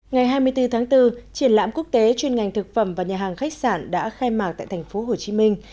ngày hai mươi bốn tháng bốn triển lãm quốc tế chuyên ngành thực phẩm và nhà hàng khách sạn đã khai mạc tại thành phố hồ chí minh